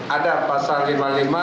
ada pasal kelima klima